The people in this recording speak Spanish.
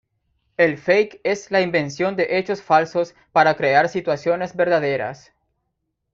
El fake es la invención de hechos falsos para crear situaciones verdaderas.